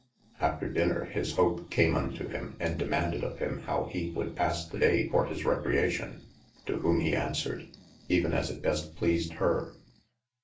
After diner, his Hope came unto him and demaunded of him howe hee would passe the daye for his recreation ? to whome he answered even as it best pleased hir.